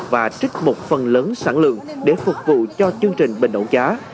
và trích một phần lớn sản lượng để phục vụ cho chương trình bình ổn giá